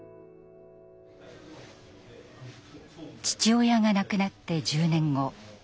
父親が亡くなって１０年後。